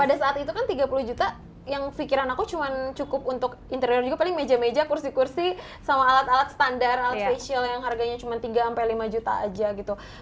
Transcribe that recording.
pada saat itu kan tiga puluh juta yang pikiran aku cuma cukup untuk interior juga paling meja meja kursi kursi sama alat alat standar alat facial yang harganya cuma tiga sampai lima juta aja gitu